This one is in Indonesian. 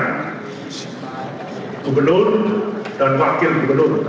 gubernur dan wakil gubernur